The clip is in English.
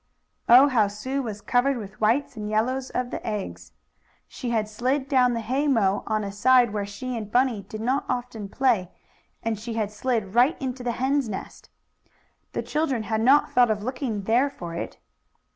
Oh! how Sue was covered with the whites and yellows of the eggs! She had slid down the haymow on a side where she and Bunny did not often play, and she had slid right into the hen's nest. The children had not thought of looking there for it.